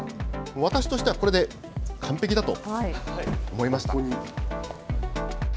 私としてはこれで完璧だと思いました。